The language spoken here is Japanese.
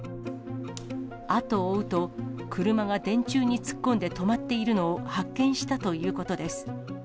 後を追うと、車が電柱に突っ込んで止まっているのを発見したということです。